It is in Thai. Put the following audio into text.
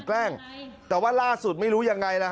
แต่ว่าล่าสุดไม่รู้ยังไง